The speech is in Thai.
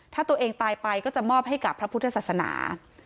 ถ้าตัวเองตายไปก็จะมอบให้กับพระพุทธศาสนา